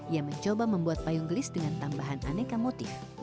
ia mencoba membuat payung gelis dengan tambahan aneka motif